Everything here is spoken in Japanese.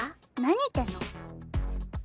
何言ってんの？